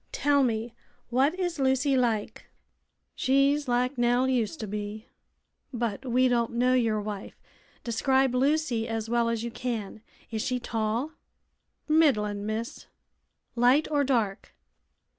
Tell me, what is Lucy like?" "She's like Nell used to be." "But we don't know your wife. Describe Lucy as well as you can. Is she tall?" "Middlin', miss." "Light or dark?"